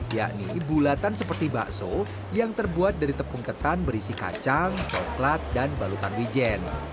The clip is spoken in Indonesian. yakni bulatan seperti bakso yang terbuat dari tepung ketan berisi kacang coklat dan balutan wijen